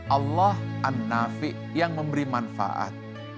allah an nafi yang memberi manfaat